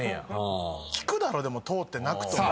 聞くだろでも通ってなくとも。